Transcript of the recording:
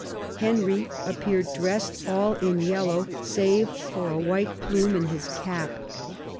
Henry appeared dressed all in yellow, save for a white plume in his cap.